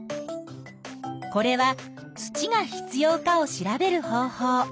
これは土が必要かを調べる方法。